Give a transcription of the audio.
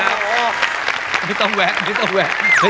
ผมต้องแหวะ